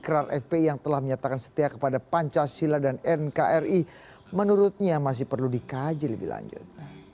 keran fpi yang telah menyatakan setia kepada pancasila dan nkri menurutnya masih perlu dikaji lebih lanjut